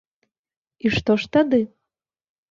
І што ж тады?